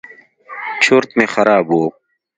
چورت مې خراب و.